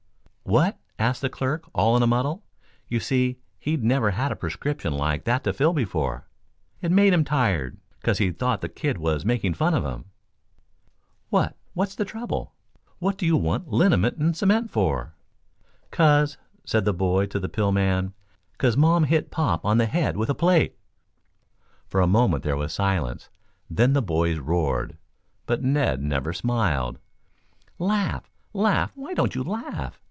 '" "'What?' asked the clerk all in a muddle. You see, he'd never had a prescription like that to fill before. It made him tired, 'cause he thought the kid was making fun of him." "'What what's the trouble? What do you want liniment and cement for?' "'Cause,' said the boy to the pill man, ''cause mom hit pop on the head with a plate.'" For a moment there was silence, then the boys roared. But Ned never smiled. "Laugh, laugh! Why don't you laugh?"